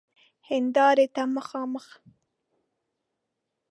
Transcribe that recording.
هیندارې ته مخامخ